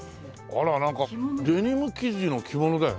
あらなんかデニム生地の着物だよね？